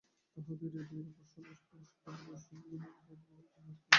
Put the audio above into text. তাঁহাদের হৃদয়ে অপার স্বদেশপ্রেম এবং সর্বোপরি ঈশ্বর ও ধর্মের প্রতি প্রবল অনুরাগ ছিল।